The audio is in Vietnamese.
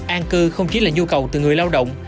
an cư không chỉ là nhu cầu từ người lao động